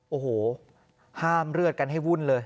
โอ้โหห้ามเลือดกันให้วุ่นเลย